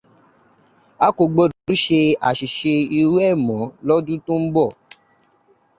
A kò gbọdọ̀ tún ṣe àṣìṣe irú ẹ̀ mọ́ lọ́dún tó ń bọ̀.